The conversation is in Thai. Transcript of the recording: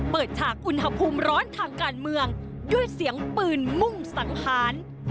ฉากอุณหภูมิร้อนทางการเมืองด้วยเสียงปืนมุ่งสังหาร